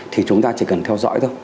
thì chúng ta chỉ cần theo dõi thôi